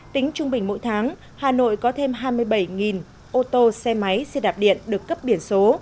tính trung bình mỗi tháng hà nội có thêm hai mươi bảy ô tô xe máy xe đạp điện được cấp biển số